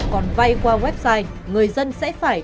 còn vay qua website người dân sẽ phải